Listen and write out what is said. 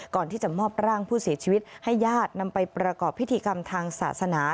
ก่อนที่จะมอบร่างผู้เสียชีวิตให้ญาตินำไปประกอบพิธีกรรมทางศาสนา